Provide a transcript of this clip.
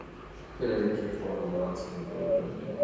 Status Quo performed the pre-match entertainment.